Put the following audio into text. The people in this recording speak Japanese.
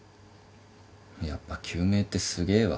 やっぱ救命ってすげえわ。